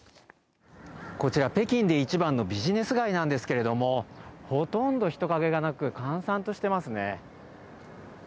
こちら北京で一番のビジネス街なんですけれども、ほとんど人影がなく閑散としてますね。